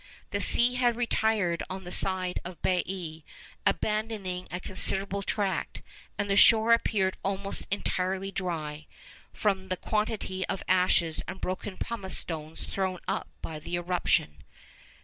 The sea had retired on the side of Baiæ, abandoning a considerable tract; and the shore appeared almost entirely dry, from the quantity of ashes and broken pumice stones thrown up by the eruption.